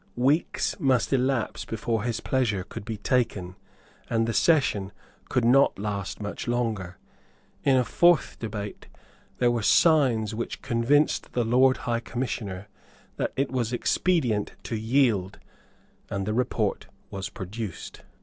Weeks must elapse before his pleasure could be taken; and the session could not last much longer. In a fourth debate there were signs which convinced the Lord High Commissioner that it was expedient to yield; and the report was produced.